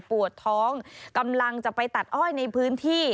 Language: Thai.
ปวดท้องกำลังจะไปตัดอ้อยในพื้นที่